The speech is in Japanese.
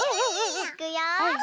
いくよ。